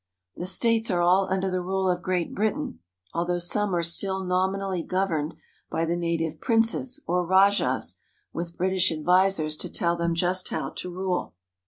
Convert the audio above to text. The states are all under the rule of Great Britain, although some are still nominally governed 236 GENERAL VIEW OF INDIA by the native princes or rajahs, with British advisers to tell them just how to rule.